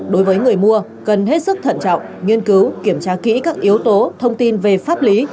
đối với người mua cần hết sức thận trọng nghiên cứu kiểm tra kỹ các yếu tố thông tin về pháp lý